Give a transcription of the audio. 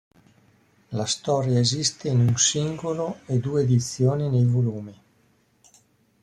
La storia esiste in un singolo e due edizioni nei volumi.